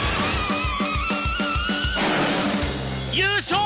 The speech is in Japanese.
優勝！